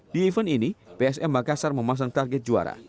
di event ini psm makassar memasang target juara